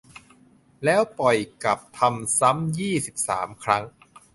แล้วปล่อยกลับ ทำซ้ำ ยี่สิบสาม ครั้ง